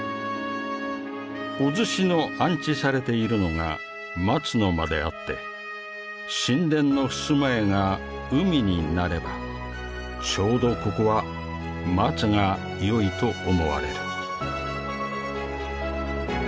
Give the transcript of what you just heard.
「お厨子の安置されているのが松の間であって宸殿の襖絵が海になれば丁度ここは松が良いと思われる」。